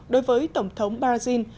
đối với tổng thống brazil